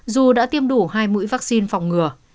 dù đã tiêm đủ hai mũi vaccine phòng ngừa